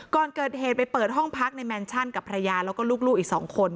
ก่อนเกิดเหตุไปเปิดห้องพักในแมนชั่นกับภรรยาแล้วก็ลูกอีก๒คน